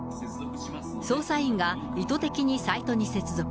捜査員が意図的にサイトに接続。